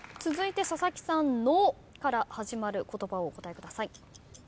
続いて佐々木さん「の」から始まる言葉をお答えください。